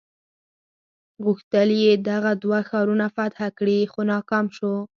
غوښتل یې دغه دوه ښارونه فتح کړي خو ناکام شو.